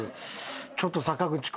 ちょっと坂口君。